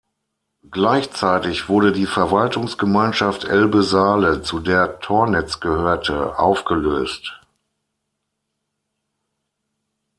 Gleichzeitig wurde die Verwaltungsgemeinschaft Elbe-Saale, zu der Tornitz gehörte, aufgelöst.